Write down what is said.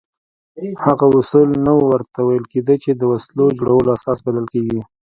هغه اصول نه ورته ویل کېده چې د وسلو جوړولو اساس بلل کېږي.